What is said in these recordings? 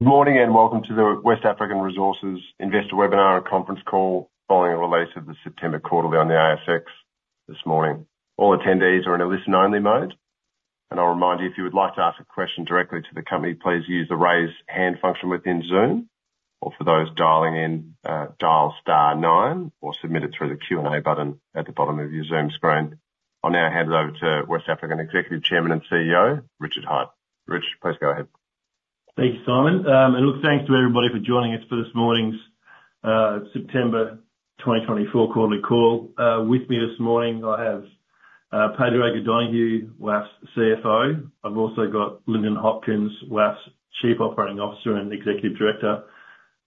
Good morning, and welcome to the West African Resources Investor Webinar and Conference Call, following a release of the September Quarterly on the ASX this morning. All attendees are in a listen-only mode, and I'll remind you, if you would like to ask a question directly to the company, please use the Raise Hand function within Zoom, or for those dialing in, dial star nine, or submit it through the Q&A button at the bottom of your Zoom screen. I'll now hand it over to West African Executive Chairman and CEO, Richard Hyde. Rich, please go ahead. Thank you, Simon. And look, thanks to everybody for joining us for this morning's September 2024 quarterly call. With me this morning, I have Padraig O'Donoghue, WAF's CFO. I've also got Lyndon Hopkins, WAF's Chief Operating Officer and Executive Director.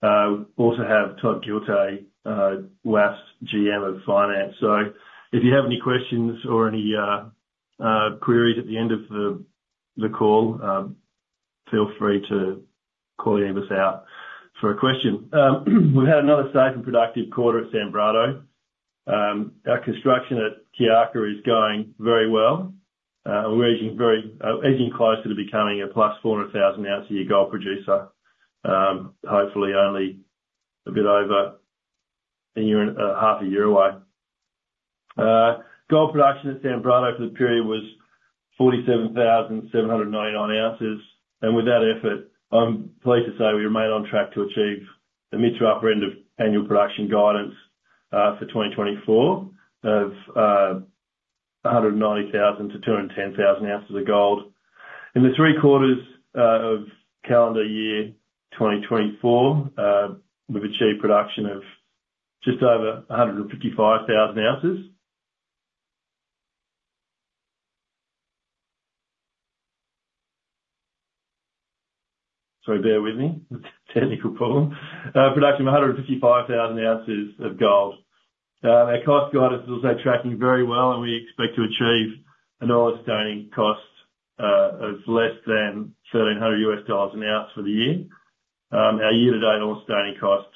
We also have Todd Giltay, WAF's GM of Finance. So if you have any questions or any queries at the end of the call, feel free to call any of us out for a question. We've had another safe and productive quarter at Sanbrado. Our construction at Kiaka is going very well. We're edging closer to becoming a plus 400,000-ounce-a-year gold producer. Hopefully only a bit over a year, half a year away. Gold production at Sanbrado for the period was 47,799 ounces, and with that effort, I'm pleased to say we remain on track to achieve the mid to upper end of annual production guidance for 2024 of 190,000 to 210,000 ounces of gold. In the three quarters of calendar year 2024, we've achieved production of just over 155,000 ounces of gold. Our cost guidance is also tracking very well, and we expect to achieve an all-in sustaining cost of less than $1,300 an ounce for the year. Our year-to-date all-in sustaining cost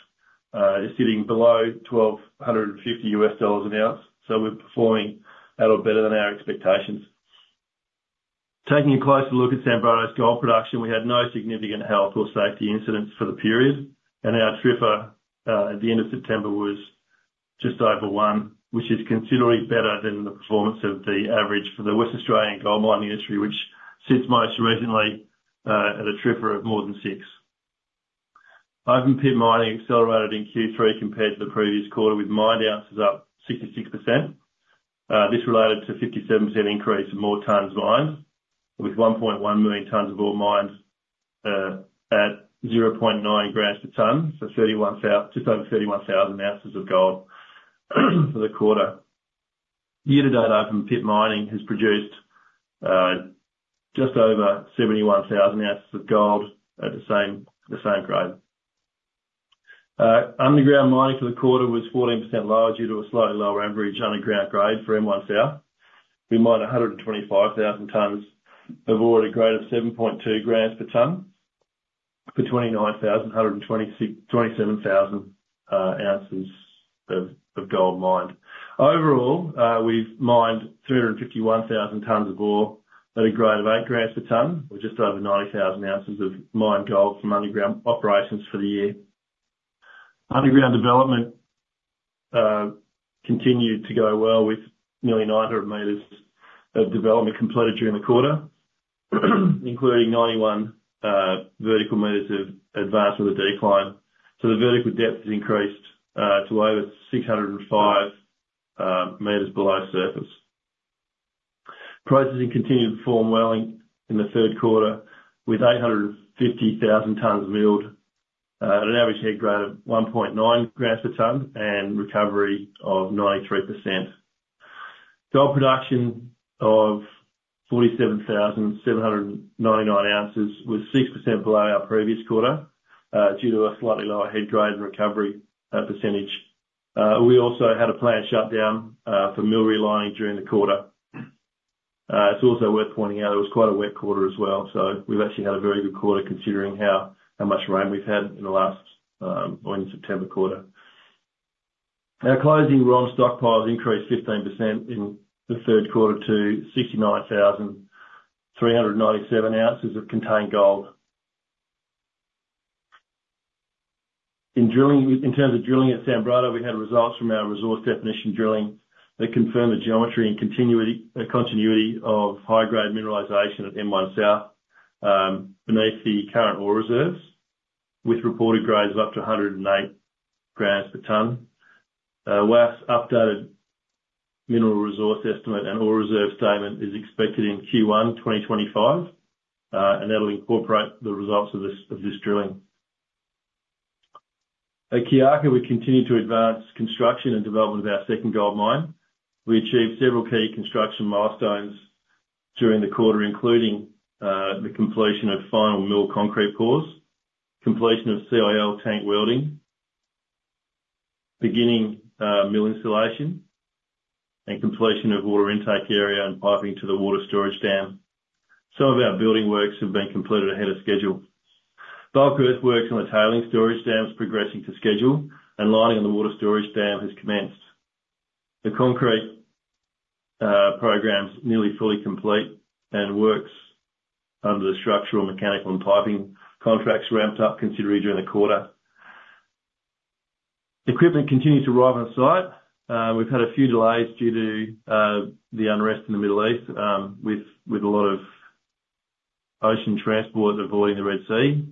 is sitting below $1,250 an ounce, so we're performing a lot better than our expectations. Taking a closer look at Sanbrado's gold production, we had no significant health or safety incidents for the period, and our TRIFR at the end of September was just over 1, which is considerably better than the performance of the average for the Western Australian gold mining industry, which sits most recently at a TRIFR of more than 6. Open pit mining accelerated in Q3 compared to the previous quarter, with mined ounces up 66%. This related to 57% increase in more tonnes mined, with 1.1 million tonnes of ore mined at 0.9 grams per ton, so just over 31,000 ounces of gold for the quarter. Year-to-date open pit mining has produced just over 71,000 ounces of gold at the same grade. Underground mining for the quarter was 14% lower due to a slightly lower average underground grade for M1 South. We mined 125,000 tonnes of ore at a grade of 7.2 grams per ton for 27,000 ounces of gold mined. Overall, we've mined 351,000 tonnes of ore at a grade of 8 grams per ton, with just over 90,000 ounces of mined gold from underground operations for the year. Underground development continued to go well with nearly 900 meters of development completed during the quarter, including 91 vertical meters of advance of the decline. So the vertical depth has increased to over 605 meters below surface. Processing continued to perform well in the third quarter, with 850,000 tonnes milled at an average head grade of 1.9 grams per ton, and recovery of 93%. Gold production of 47,799 ounces was 6% below our previous quarter due to a slightly lower head grade recovery percentage. We also had a planned shutdown for mill relining during the quarter. It's also worth pointing out it was quite a wet quarter as well, so we've actually had a very good quarter, considering how much rain we've had in the last or in the September quarter. Our closing raw stockpiles increased 15% in the third quarter to 69,397 ounces of contained gold. In terms of drilling at Sanbrado, we had results from our resource definition drilling that confirmed the geometry and continuity of high-grade mineralization at M1 South beneath the current ore reserves, with reported grades of up to 108 grams per ton. WAF's updated Mineral Resource Estimate and Ore Reserve Statement is expected in Q1 2025, and that'll incorporate the results of this drilling. At Kiaka, we continued to advance construction and development of our second gold mine. We achieved several key construction milestones during the quarter, including the completion of final mill concrete pours, completion of CIL tank welding, beginning mill installation, and completion of water intake area and piping to the water storage dam. Some of our building works have been completed ahead of schedule. Bulk earthworks on the tailings storage dam is progressing to schedule, and lining on the water storage dam has commenced. The concrete programs nearly fully complete, and works under the structural, mechanical, and piping contracts ramped up considerably during the quarter. Equipment continues to arrive on site. We've had a few delays due to the unrest in the Middle East, with a lot of ocean transport avoiding the Red Sea.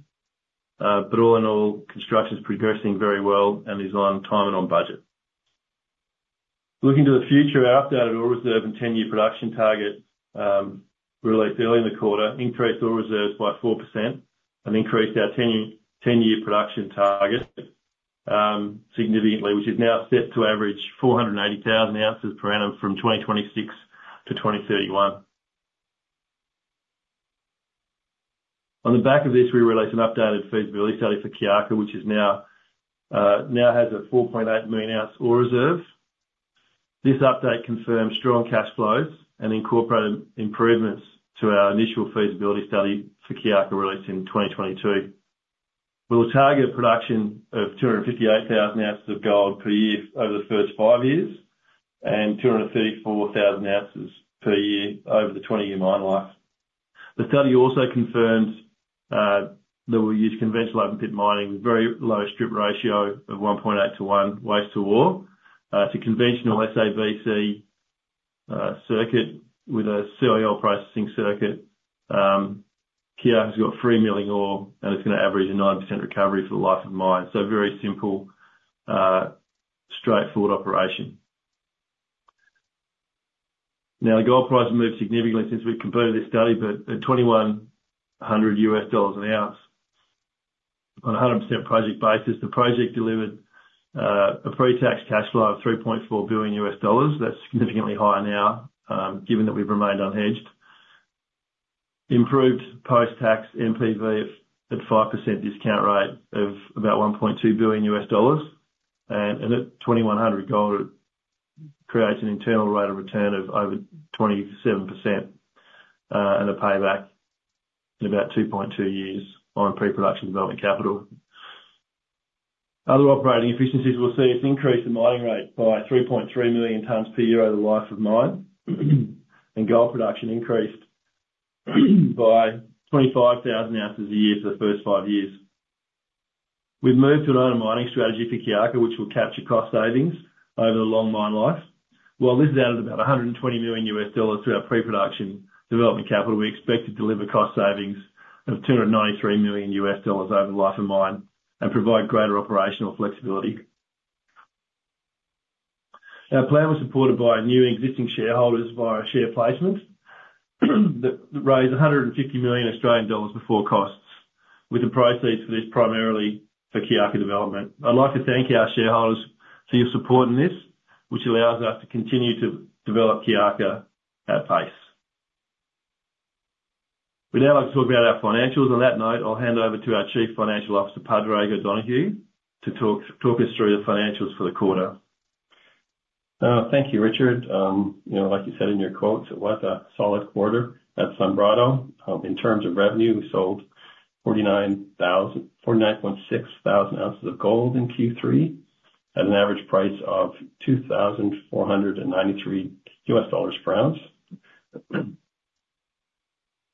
But all in all, construction is progressing very well and is on time and on budget. Looking to the future, our updated ore reserve and ten-year production target, released early in the quarter, increased ore reserves by 4% and increased our ten-year production target significantly, which is now set to average 480,000 ounces per annum from 2026 to 2031. On the back of this, we released an updated feasibility study for Kiaka, which now has a 4.8 million ounce ore reserve. This update confirms strong cash flows and incorporated improvements to our initial feasibility study for Kiaka, released in 2022. We'll target production of 258,000 ounces of gold per year over the first five years, and 234,000 ounces per year over the twenty-year mine life. The study also confirms that we'll use conventional open pit mining, very low strip ratio of 1.8 to 1 waste to ore. It's a conventional SABC circuit, with a CIL processing circuit. Kiaka has got free milling ore, and it's gonna average a 90% recovery for the life of mine. So very simple, straightforward operation. Now, the gold price has moved significantly since we've completed this study, but at $2,100 an ounce. On a 100% project basis, the project delivered a pre-tax cash flow of $3.4 billion. That's significantly higher now, given that we've remained unhedged. Improved post-tax NPV at 5% discount rate of about $1.2 billion, and at $2,100 gold, it creates an internal rate of return of over 27%, and a payback in about 2.2 years on pre-production development capital. Other operating efficiencies will see us increase the mining rate by 3.3 million tonnes per year over the life of mine, and gold production increased by 25,000 ounces a year for the first five years. We've moved to an owner mining strategy for Kiaka, which will capture cost savings over the long mine life. While this is an outlay of $120 million to our pre-production development capital, we expect to deliver cost savings of $293 million over the life of mine and provide greater operational flexibility. Our plan was supported by new and existing shareholders via share placements, that raised 150 million Australian dollars before costs, with the proceeds for this primarily for Kiaka development. I'd like to thank our shareholders for your support in this, which allows us to continue to develop Kiaka at pace. We'd now like to talk about our financials. On that note, I'll hand over to our Chief Financial Officer, Padraig O'Donoghue, to talk us through the financials for the quarter. Thank you, Richard. You know, like you said in your quotes, it was a solid quarter at Sanbrado. In terms of revenue, we sold 49.6 thousand ounces of gold in Q3, at an average price of $2,493 per ounce.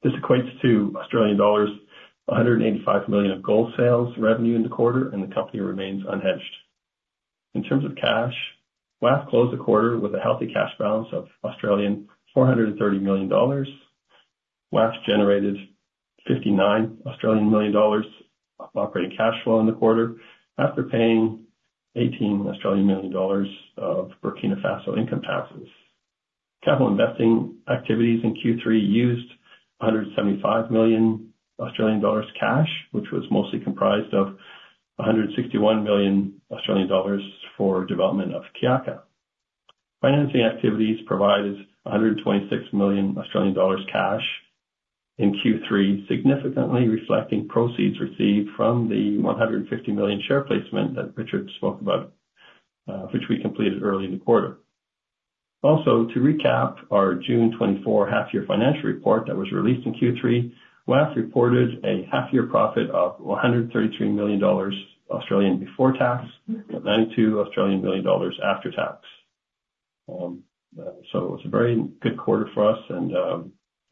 This equates to Australian dollars 185 million of gold sales revenue in the quarter, and the company remains unhedged. In terms of cash, WAF closed the quarter with a healthy cash balance of 430 million Australian dollars. WAF generated 59 million Australian dollars operating cash flow in the quarter, after paying 18 million Australian dollars of Burkina Faso income taxes. Capital investing activities in Q3 used 175 million Australian dollars cash, which was mostly comprised of 161 million Australian dollars for development of Kiaka. Financing activities provided 126 million Australian dollars cash in Q3, significantly reflecting proceeds received from the 150 million share placement that Richard spoke about, which we completed early in the quarter. Also, to recap, our June 2024 half year financial report that was released in Q3, WAF reported a half year profit of 133 million Australian dollars before tax, 92 million Australian dollars after tax. So it was a very good quarter for us, and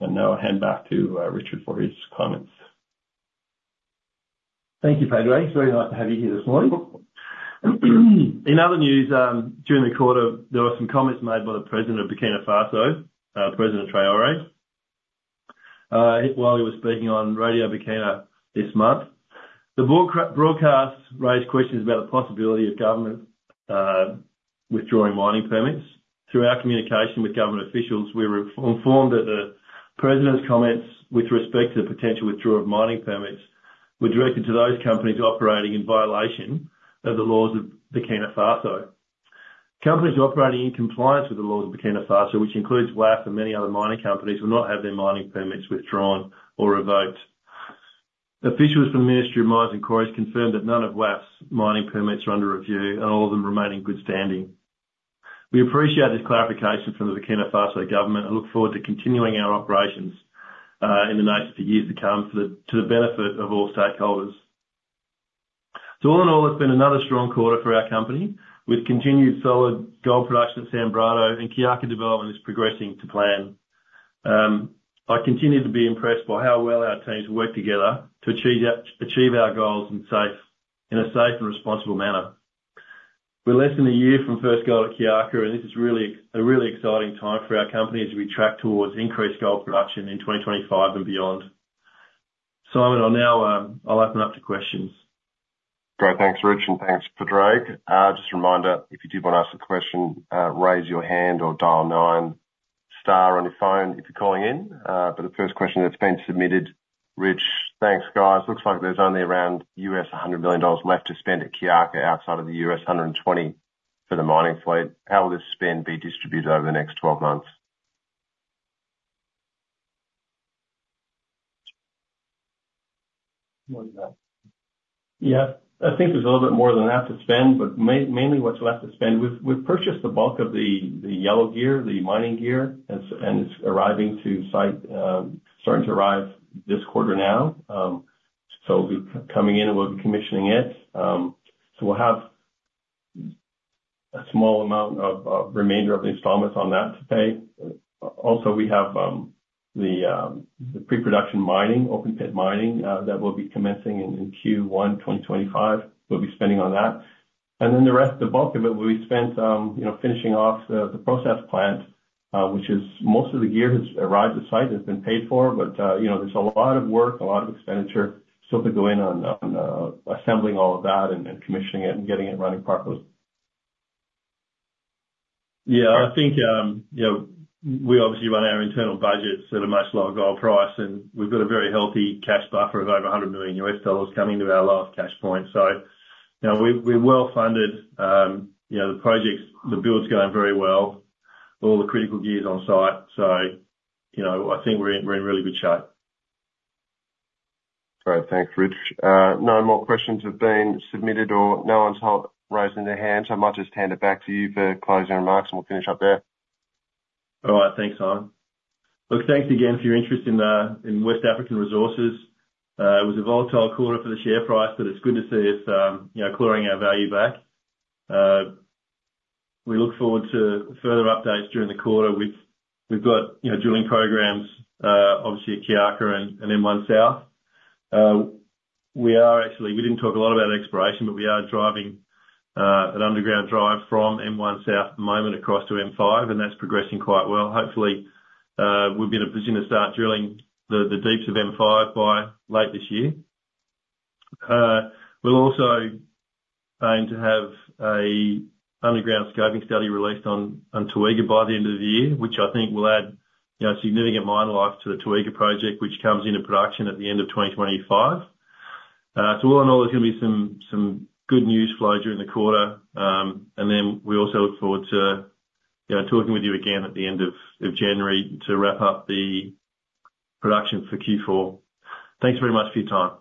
now I'll hand back to Richard for his comments. Thank you, Padraig. It's very nice to have you here this morning. In other news, during the quarter, there were some comments made by the president of Burkina Faso, President Traoré. While he was speaking on Radio Burkina this month, the broadcast raised questions about the possibility of government withdrawing mining permits. Through our communication with government officials, we were informed that the president's comments with respect to the potential withdrawal of mining permits were directed to those companies operating in violation of the laws of Burkina Faso. Companies operating in compliance with the laws of Burkina Faso, which includes WAF and many other mining companies, will not have their mining permits withdrawn or revoked. Officials from the Ministry of Mines and Quarries confirmed that none of WAF's mining permits are under review, and all of them remain in good standing. We appreciate this clarification from the Burkina Faso government and look forward to continuing our operations in the next few years to come, to the benefit of all stakeholders. All in all, it's been another strong quarter for our company, with continued solid gold production at Sanbrado, and Kiaka development is progressing to plan. I continue to be impressed by how well our teams work together to achieve our goals in a safe and responsible manner. We're less than a year from first gold at Kiaka, and this is really a really exciting time for our company as we track towards increased gold production in 2025 and beyond. Simon, I'll now open up to questions. Great. Thanks, Rich, and thanks, Padraig. Just a reminder, if you do want to ask a question, raise your hand or dial *9 on your phone if you're calling in. But the first question that's been submitted, Rich: "Thanks, guys. Looks like there's only around $100 million left to spend at Kiaka, outside of the $120 million for the mining fleet. How will this spend be distributed over the next 12 months? More than that. Yeah, I think there's a little bit more than that to spend, but mainly what's left to spend, we've purchased the bulk of the yellow gear, the mining gear, and it's arriving to site, starting to arrive this quarter now. So it'll be coming in, and we'll be commissioning it. So we'll have a small amount of remainder of the installments on that to pay. Also, we have the pre-production mining, open pit mining, that will be commencing in Q1 2025. We'll be spending on that. And then the rest, the bulk of it will be spent, you know, finishing off the process plant, which is most of the gear has arrived at site, has been paid for, but, you know, there's a lot of work, a lot of expenditure still to go in on assembling all of that and commissioning it, and getting it running properly. Yeah, I think, you know, we obviously run our internal budgets at a much lower gold price, and we've got a very healthy cash buffer of over $100 million coming to our last cash point. So, you know, we're well funded. You know, the projects, the build's going very well. All the critical gear is on site, so, you know, I think we're in really good shape. Great. Thanks, Rich. No more questions have been submitted, or no one's raising their hand, so I might just hand it back to you for closing remarks, and we'll finish up there. All right. Thanks, Simon. Look, thanks again for your interest in West African Resources. It was a volatile quarter for the share price, but it's good to see us, you know, clawing our value back. We look forward to further updates during the quarter. We've got, you know, drilling programs, obviously at Kiaka and M1 South. We didn't talk a lot about exploration, but we are driving an underground drive from M1 South at the moment across to M5, and that's progressing quite well. Hopefully, we'll be in a position to start drilling the deeps of M5 by late this year. We'll also aim to have an underground scoping study released on Toega by the end of the year, which I think will add, you know, significant mine life to the Toega project, which comes into production at the end of 2025. So all in all, there's gonna be some good news flow during the quarter. And then we also look forward to, you know, talking with you again at the end of January to wrap up the production for Q4. Thanks very much for your time.